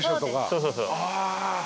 そうそうそう。